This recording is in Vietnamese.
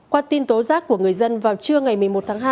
qua tin tố giác của người dân vào trưa ngày một mươi một tháng hai